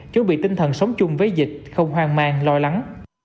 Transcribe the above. chuẩn bị tinh thần sống chung với dịch không hoang mang lo lắng